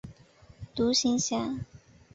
独行侠。